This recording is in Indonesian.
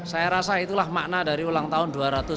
saya rasa itulah makna dari ulang tahun dua ratus tujuh puluh enam